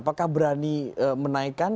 apakah berani menaikkan